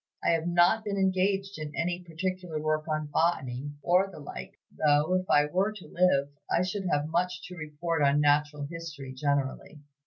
I have not been engaged in any particular work on Botany, or the like, though, if I were to live, I should have much to report on Natural History generally.